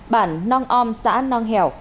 bản nong om xã nong hèo